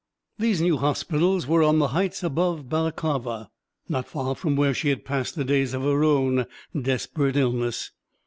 These new hospitals were on the heights above Balaklava, not far from where she had passed the days of her own desperate illness.